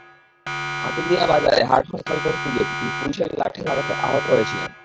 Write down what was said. হাতিরদিয়া বাজারে হাট হরতাল করতে গিয়ে তিনি পুলিশের লাঠির আঘাতে আহত হয়েছিলেন।